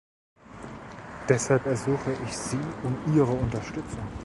Deshalb ersuche ich Sie um Ihre Unterstützung.